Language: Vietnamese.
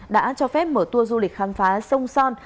đã cho phép mở tour du lịch khám phá sông son